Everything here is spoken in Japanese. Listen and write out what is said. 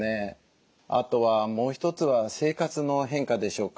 あとはもう一つは生活の変化でしょうか。